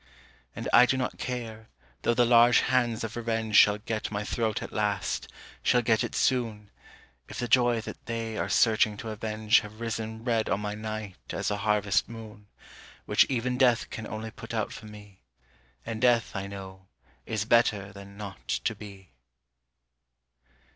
And I do not care, though the large hands of revenge Shall get my throat at last, shall get it soon, If the joy that they are searching to avenge Have risen red on my night as a harvest moon, Which even death can only put out for me; And death, I know, is better than not to be.